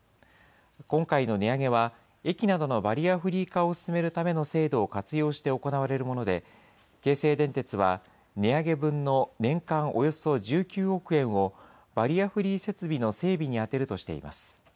今回の値上げは、駅などのバリアフリー化を進めるための制度を活用して行われるもので、京成電鉄は値上げ分の年間およそ１９億円を、バリアフリー設備の整備に充てるとしています。